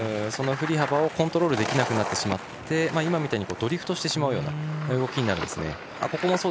振り幅をコントロールすることができなくなってしまって今みたいにドリフトしてしまうような動きになるんですね。